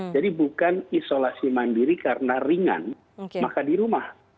jadi bukan isolasi mandiri karena ringan maka di rumah